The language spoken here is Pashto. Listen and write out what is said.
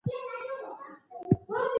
ډيورنډ فرضي کرښه افغانان نه منی.